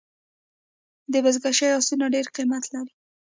د بزکشۍ آسونه ډېر قیمت لري.